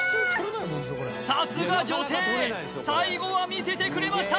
さすが女帝最後はみせてくれました！